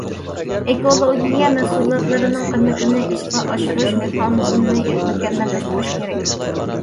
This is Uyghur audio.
ئېكولوگىيە مەھسۇلاتلىرىنىڭ قىممىتىنى ئىشقا ئاشۇرۇش مېخانىزمىنى مۇكەممەللەشتۈرۈش كېرەك.